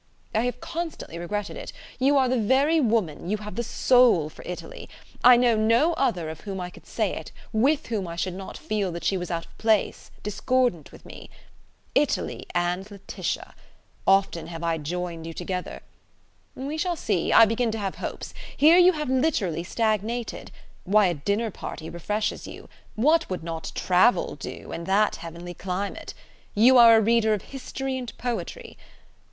I have constantly regretted it. You are the very woman, you have the soul for Italy. I know no other of whom I could say it, with whom I should not feel that she was out of place, discordant with me. Italy and Laetitia! often have I joined you together. We shall see. I begin to have hopes. Here you have literally stagnated. Why, a dinner party refreshes you! What would not travel do, and that heavenly climate! You are a reader of history and poetry.